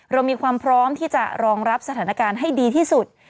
เรามีความพร้อมที่จะรองรับสถานการณ์ให้ดีที่สุด